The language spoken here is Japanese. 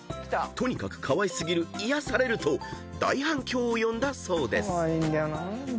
［とにかくかわい過ぎる癒やされると大反響を呼んだそうです］